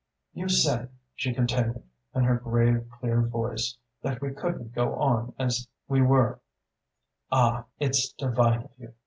"'You said,' she continued, in her grave clear voice, 'that we couldn't go on as we were ' "'Ah, it's divine of you!